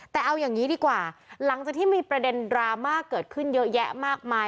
แต่เอาอย่างนี้ดีกว่าหลังจากที่มีประเด็นดราม่าเกิดขึ้นเยอะแยะมากมาย